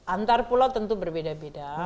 antar pulau tentu berbeda beda